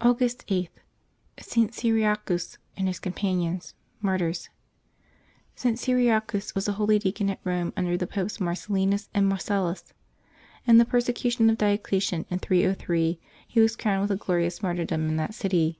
August 8. — ST. CYRIACUS and His Companions, Martyrs. [t. Ctriacus was a holy deacon at Rome, under the Popes Marcellinus and Marcellus. In the persecu tion of Diocletian, in 303, he was crowned with a glorious martyrdom in that city.